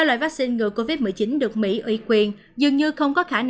ba loại vaccine ngừa covid một mươi chín được mỹ uy quyền dường như không có khả năng